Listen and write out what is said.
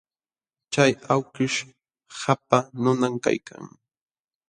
Chay awkish qapaq nunam kaykan.